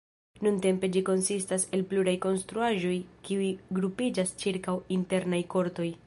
Nuntempe ĝi konsistas el pluraj konstruaĵoj kiuj grupiĝas ĉirkaŭ internaj kortoj.